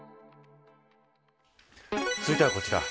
続いてはこちら。